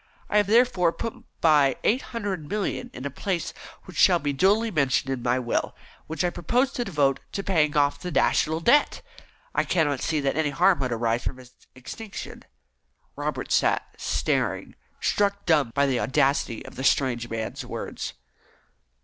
I have, therefore, put by eight hundred million in a place which shall be duly mentioned in my will, which I propose to devote to paying off the National Debt. I cannot see that any harm could arise from its extinction." Robert sat staring, struck dumb by the audacity of the strange man's words.